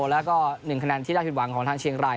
แล้วก็๑คะแนนที่น่าผิดหวังของทางเชียงราย